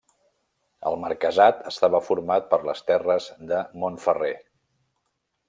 El marquesat estava format per les terres de Montferrer.